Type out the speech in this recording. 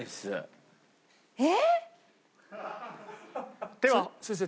えっ！